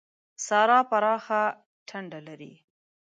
سارا پراخه ټنډه لري.